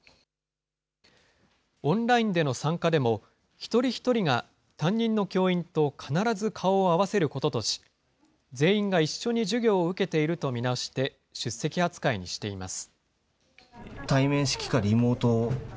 オンラインでの参加でも、一人一人が担任の教員と必ず顔を合わせることとし、全員が一緒に授業を受けていると見なして出席扱いにしています。